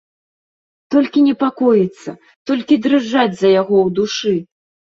Толькі непакоіцца, толькі дрыжаць за яго ў душы.